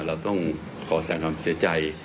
เราต้องขอแสงความเสียใจ